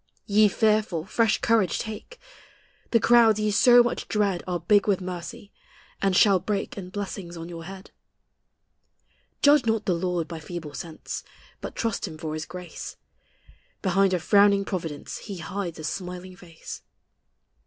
Ye fearful, fresh courage take! The clouds ye so much dread Are big with mercy, and shall break In blessings on your head. Judge not the Lord by feeble sense. But trust Him for His grace: Behind a frowning providence He hides a smiling face.